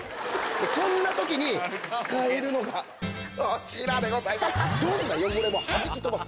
そんなときに使えるのが、こちらでございます。